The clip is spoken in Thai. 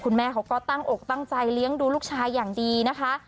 แม่เขาก็ตั้งอกตั้งใจเลี้ยงดูลูกชายอย่างดีนะคะ